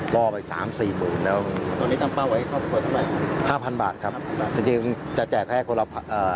รอไปสามสี่หมื่นแล้วตอนนี้ตั้งเป้าไว้ครอบครัวเท่าไหร่ห้าพันบาทครับจริงจริงจะแจกให้คนละอ่า